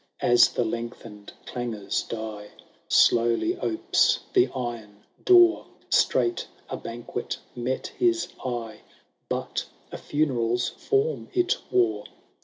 As the lengthened clangours die, Slowly opes the iron door ! Straight a banquet met his eye, But a funeral's form it wore